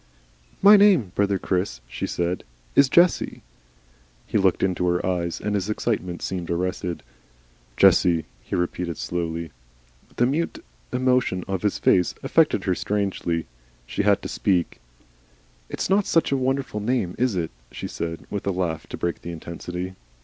"My name, brother Chris," she said, "is Jessie." He looked into her eyes, and his excitement seemed arrested. "JESSIE," he repeated slowly. The mute emotion of his face affected her strangely. She had to speak. "It's not such a very wonderful name, is it?" she said, with a laugh to break the intensity.